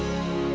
aduh hujan lagi